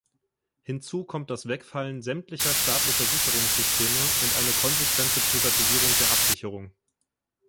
Hinzu kommt das Wegfallen sämtlicher staatlicher Sicherungssysteme und eine konsequente Privatisierung der Absicherung.